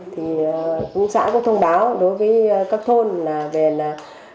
thì xã cũng thông báo đối với các thôn là